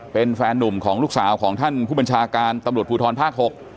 เป็นแฟนนุ่มของลูกสาวของท่านผู้บัญชาการตำรวจภูทรภาค๖